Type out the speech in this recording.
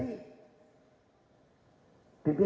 menteri luar negeri